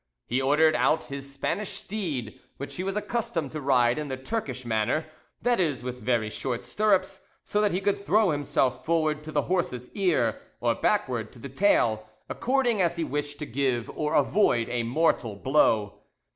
He ordered out his Spanish steed, which he was accustomed to ride in the Turkish manner—that is, with very short stirrups, so that he could throw himself forward to the horse's ears, or backward to the tail, according as he wished to give or avoid a mortal blow.